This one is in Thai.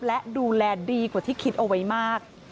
และดูแลดีกว่าที่คิดเอาไว้มาก